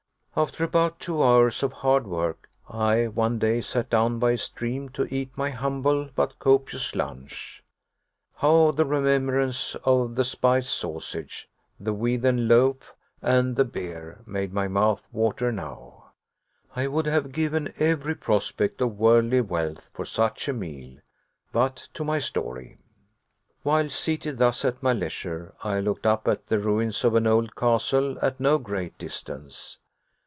After about two hours of hard work, I, one day, sat down by a stream to eat my humble but copious lunch. How the remembrance of the spiced sausage, the wheaten loaf, and the beer, made my mouth water now! I would have given every prospect of worldly wealth for such a meal. But to my story. While seated thus at my leisure, I looked up at the ruins of an old castle, at no great distance.